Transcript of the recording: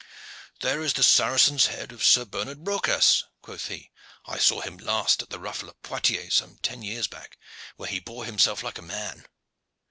"There is the Saracen's head of Sir Bernard Brocas," quoth he. "I saw him last at the ruffle at Poictiers some ten years back, when he bore himself like a man.